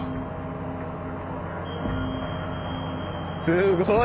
すごい！